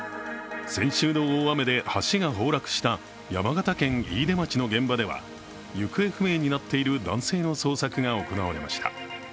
先週の大雨で橋が崩落した山形県飯豊町の現場では行方不明になっている男性の捜索が行われました。